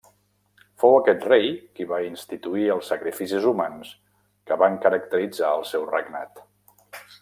Fou aquest rei qui va instituir els sacrificis humans que van caracteritzar el seu regnat.